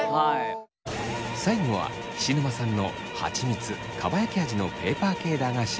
最後は菱沼さんのはちみつかばやき味のペーパー系駄菓子